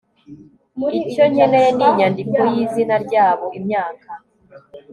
icyo nkeneye ni inyandiko yizina ryabo, imyaka